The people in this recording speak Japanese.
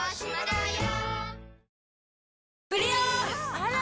あら！